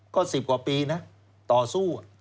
ก็๑๐กว่าปีนะต่อสู้